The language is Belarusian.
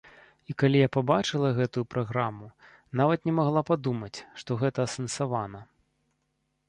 І калі я пабачыла гэтую праграму, нават не магла падумаць, што гэта асэнсавана.